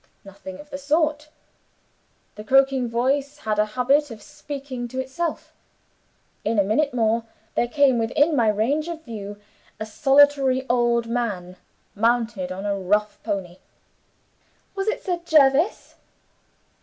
Nothing of the sort; the croaking voice had a habit of speaking to itself. In a minute more, there came within my range of view a solitary old man, mounted on a rough pony." "Was it Sir Jervis?"